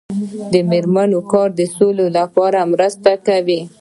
د میرمنو کار د سولې لپاره مرسته کوي.